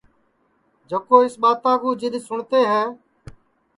جکو اِس ٻاتا کُو جِدؔ سُٹؔتے ہے